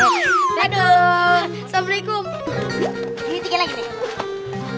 dikit dikit lagi deh